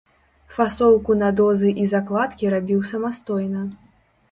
Фасоўку на дозы і закладкі рабіў самастойна.